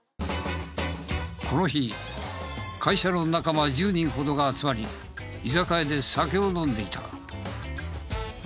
この日会社の仲間１０人ほどが集まり居酒屋で酒を飲んでいた。